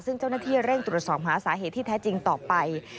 ซึ่งเจ้าหน้าที่เร่งตรวจสอบหาสาเหตุที่แท้จริงต่อไป